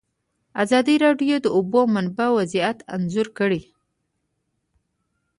ازادي راډیو د د اوبو منابع وضعیت انځور کړی.